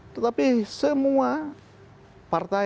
tetapi semua partai